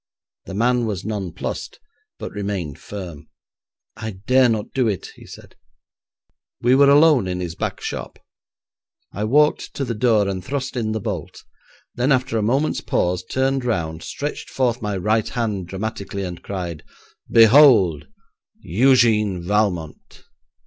The man was nonplussed, but remained firm. 'I dare not do it,' he said. We were alone in his back shop. I walked to the door and thrust in the bolt; then, after a moment's pause, turned round, stretched forth my right hand dramatically, and cried, 'Behold, Eugène Valmont!'